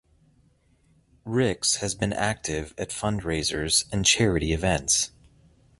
Ricks has been active at fundraisers and charity events.